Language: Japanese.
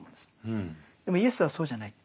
でもイエスはそうじゃない。